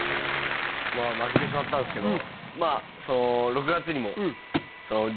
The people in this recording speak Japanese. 負けてしまったんですけど。